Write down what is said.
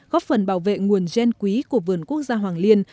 góp phần bảo vệ nguồn gen quý của vườn quốc gia hoàng liên